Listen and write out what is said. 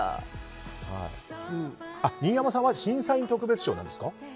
新山さんは審査員特別賞なんですか？